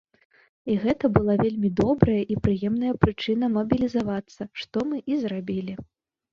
І гэта была вельмі добрая і прыемная прычына мабілізавацца, што мы і зрабілі.